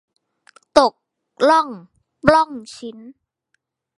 ตกล่องปล้องชิ้น